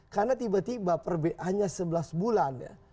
karena tiba tiba perbaikannya sebelas bulan